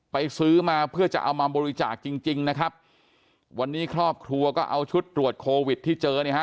ซื้อมาเพื่อจะเอามาบริจาคจริงจริงนะครับวันนี้ครอบครัวก็เอาชุดตรวจโควิดที่เจอเนี่ยฮะ